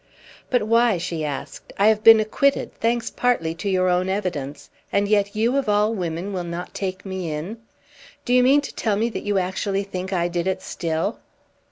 "But why?" she asked. "I have been acquitted thanks partly to your own evidence and yet you of all women will not take me in! Do you mean to tell me that you actually think I did it still?"